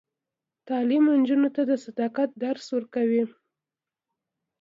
تعلیم نجونو ته د صداقت درس ورکوي.